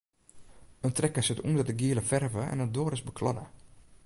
In trekker sit ûnder de giele ferve en in doar is bekladde.